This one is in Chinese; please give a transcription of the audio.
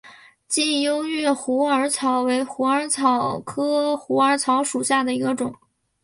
近优越虎耳草为虎耳草科虎耳草属下的一个种。